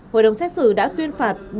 hội đồng xét xử đã tuyên phạt